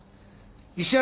石原